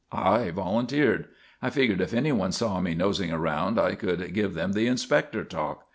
I volunteered. I figured if any one saw me nosing around I could give them the inspector talk.